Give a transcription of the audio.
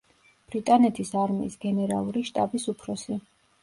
ბრიტანეთის არმიის გენერალური შტაბის უფროსი.